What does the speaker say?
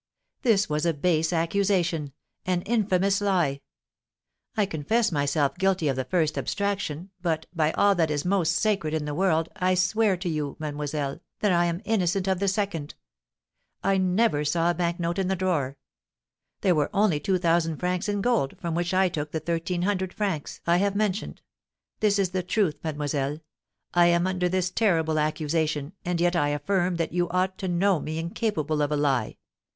This was a base accusation, an infamous lie! I confess myself guilty of the first abstraction, but, by all that is most sacred in the world, I swear to you, mademoiselle, that I am innocent of the second. I never saw a bank note in the drawer. There were only two thousand francs in gold, from which I took the thirteen hundred francs I have mentioned. This is the truth, mademoiselle. I am under this terrible accusation, and yet I affirm that you ought to know me incapable of a lie.